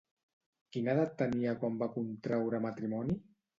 Quina edat tenia quan va contraure matrimoni?